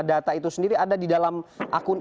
ada yang berada di dalamnya